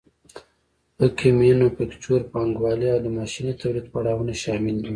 پکې مینوفکچور پانګوالي او د ماشیني تولید پړاوونه شامل دي